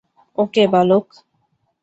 ওকে, বালক।